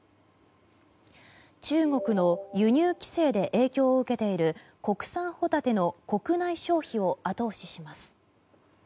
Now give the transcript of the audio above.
中国の輸入規制で影響を受けている国産ホタテの国内消費を後押しします。